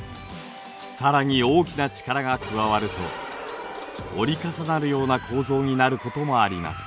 さらに大きな力が加わると折り重なるような構造になることもあります。